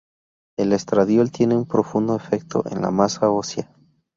El estradiol tiene un profundo efecto en las masa ósea.